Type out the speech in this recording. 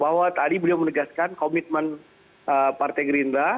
bahwa tadi beliau menegaskan komitmen partai gerindra